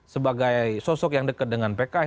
sebagai sosok yang dekat dengan pks